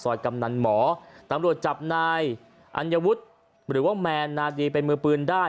กำนันหมอตำรวจจับนายอัญวุฒิหรือว่าแมนนาดีเป็นมือปืนได้